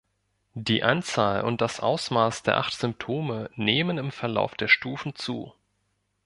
Die Anzahl und das Ausmaß der acht Symptome nehmen im Verlauf der Stufen zu.